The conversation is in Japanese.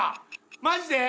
マジで？